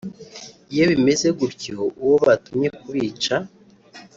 Iyo bimeze gutyo uwo batumye kubica